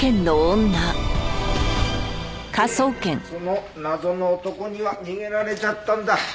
でその謎の男には逃げられちゃったんだ。